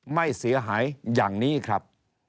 ไม่เสียหายอย่างนี้ครับ